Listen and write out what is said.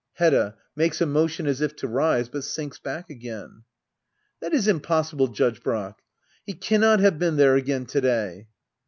Hedda. [Makes a motion as if to rise, but sinks back again,] That is impossible. Judge Brack! He cannot have been there again to day.